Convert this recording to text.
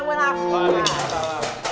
ini bukan lavas